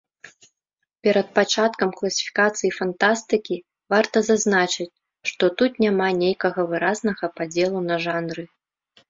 Перад пачаткам класіфікацыі фантастыкі варта зазначыць, што тут няма нейкага выразнага падзелу на жанры.